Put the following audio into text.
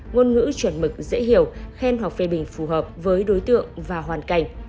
ngôn ngữ chuẩn mực dễ hiểu khen hoặc phê bình phù hợp với đối tượng và hoàn cảnh